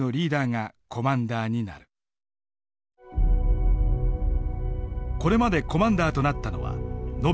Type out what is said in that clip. これまでコマンダーとなったのは延べ３８人。